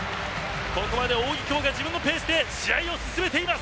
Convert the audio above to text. ここまで扇久保が自分のペースで試合を進めています。